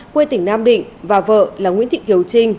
quê tỉnh nam định và vợ là nguyễn thị kiều trinh